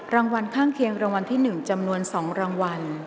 รางวัลข้างเคียงรางวัลที่๑จำนวน๒รางวัล